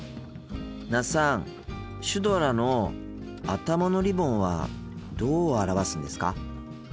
那須さんシュドラの頭のリボンはどう表すんですか？